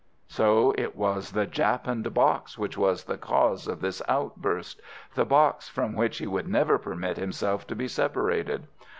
So it was the japanned box which was the cause of this outburst—the box from which he would never permit himself to be separated.